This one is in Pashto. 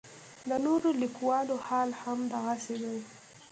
د نورو لیکوالو حال هم دغسې دی.